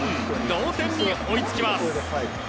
同点に追いつきます。